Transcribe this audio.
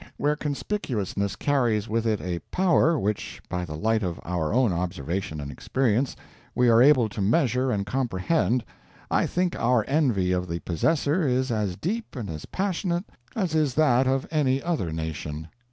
Where Conspicuousness carries with it a Power which, by the light of our own observation and experience, we are able to measure and comprehend, I think our envy of the possessor is as deep and as passionate as is that of any other nation.